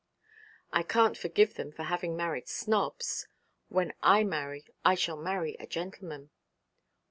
'I can't forgive them for having married snobs. When I marry I shall marry a gentleman.'